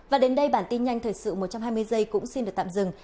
và đến đây bản tin nhanh thời sự một trăm hai mươi giây cũng xin được tạm dừng